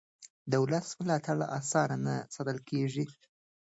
د ولس ملاتړ اسانه نه ساتل کېږي